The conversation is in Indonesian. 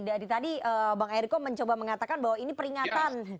dari tadi bang eriko mencoba mengatakan bahwa ini peringatan